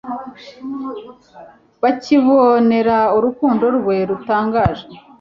bakibonera urukundo rwe rutangaje,